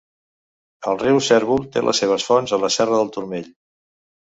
El riu Cérvol té les seves fonts a la serra del Turmell.